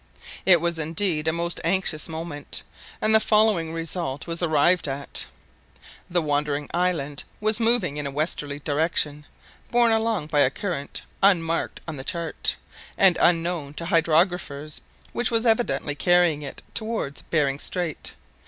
It was indeed a most anxious moment, and the following result was arrived at. The wandering island was moving in a westerly direction, borne along by a current unmarked on the chart, and unknown to hydrographers, which was evidently carrying it towards Behring Strait.